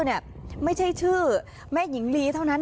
ไม่ใช่ชื่อแม่หญิงลีเท่านั้น